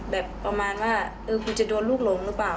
แบบประมาณว่าเออคุณจะโดนลูกหลงหรือเปล่า